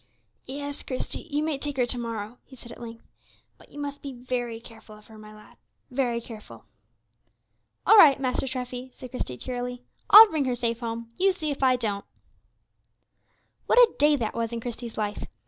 "Yes, Christie, you may take her to morrow," he said at length; "but you must be very careful of her, my lad, very careful." "All right, Master Treffy," said Christie, cheerily; "I'll bring her safe home, you see if I don't." What a day that was in Christie's life!